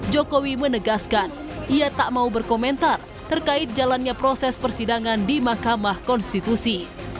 jokowi menegaskan ia tak mau berkomentar terkait jalannya proses persidangan di mahkamah konstitusi